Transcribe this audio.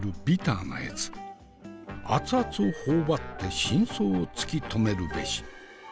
アツアツを頬張って真相を突き止めるべし。